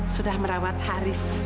sudah merawat haris